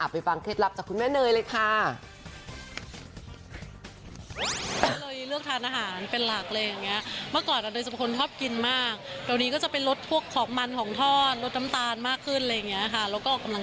ฟังเคล็ดลับจากคุณแม่เนยเลยค่ะ